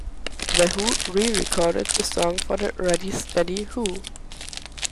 The Who re-recorded the song for the Ready Steady Who!